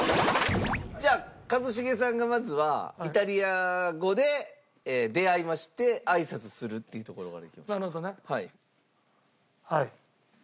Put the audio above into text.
じゃあ一茂さんがまずはイタリア語で出会いましてあいさつするっていうところまで。